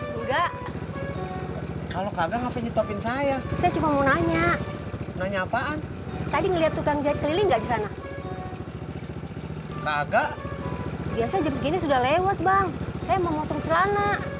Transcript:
sampai jumpa di video selanjutnya